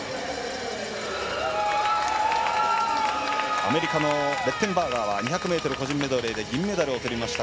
アメリカのレッテンバーガーは２００ｍ個人メドレーで銀メダルをとりました。